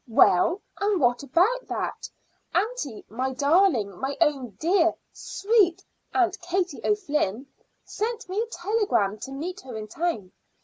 "Well, and what about that? Aunty my darling, my own dear, sweet aunt Katie O'Flynn sent me a telegram to meet her in town.